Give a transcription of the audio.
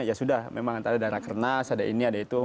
ya sudah memang ada dana kernas ada ini ada itu